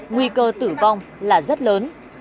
nguy cơ tử vong là rất lớn